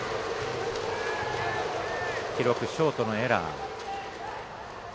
記録、ショートのエラー。